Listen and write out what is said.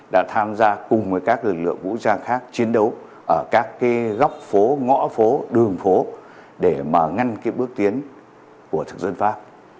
chúng ta cùng với các lực lượng vũ trang khác chiến đấu ở các góc phố ngõ phố đường phố để ngăn bước tiến của thực dân pháp